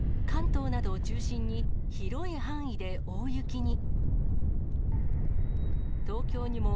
関東などを中心に広い範囲で大雪に。